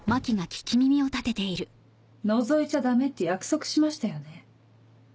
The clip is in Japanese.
のぞいちゃダメって約束しましたよね？